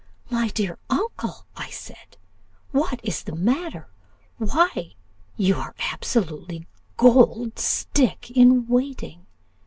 'My dear uncle,' said I, 'what is the matter? Why, you are absolutely gold stick in waiting.